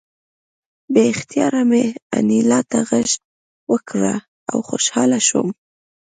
بې اختیاره مې انیلا ته غېږ ورکړه او خوشحاله شوم